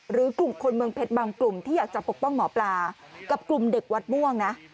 หรือกลุ่มคนเมืองเพชรบางกลุ่มที่อยากจะปกป้องหมอปลากับกลุ่มเด็กวัดม่วงนะ